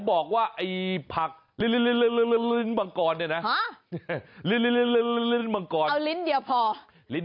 ผมบอกว่าไอ้ผักลิ้นลิ้นมังกรเนี่ยนะ